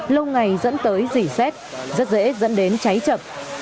lâu ngày dẫn tới dỉ xét rất dễ dẫn đến cháy chậm